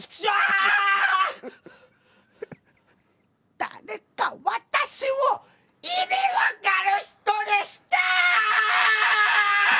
誰か私を意味分かる人にして！